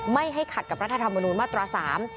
ไม่ให้ขัดกับรัฐธรรมนูญมาตราสาม